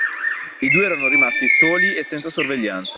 I due erano rimasti soli e senza sorveglianza.